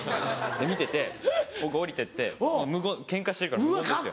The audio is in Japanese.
見てて僕下りてってケンカしてるから無言ですよ。